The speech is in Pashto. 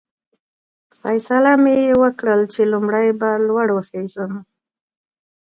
فیصله مې وکړل چې لومړی به لوړ وخېژم.